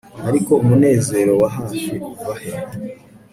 Ariko umunezero wa hafi uva he